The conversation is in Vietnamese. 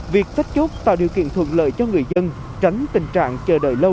việc cách chốt tạo điều kiện thuận lợi cho người dân tránh tình trạng chờ đợi lâu